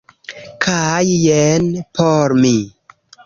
kaj jen por mi.